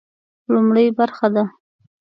لومړۍ برخه ده.